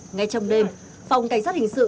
ngay trong đêm phòng cảnh sát hình sự